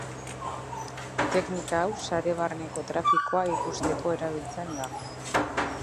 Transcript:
Teknika hau sare barneko trafikoa ikusteko erabiltzen da.